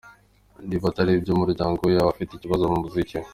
Niba atari ibyo mu muryango we yaba afite ikibazo mu muziki we!”.